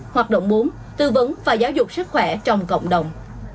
hoạt động bốn tư vấn và giáo dục sức khỏe trong cộng đồng